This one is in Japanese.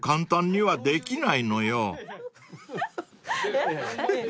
はい。